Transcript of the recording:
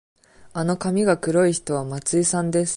あの髪が黒い人は松井さんです。